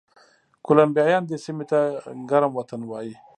کولمبیایان دې سیمې ته ګرم وطن وایي.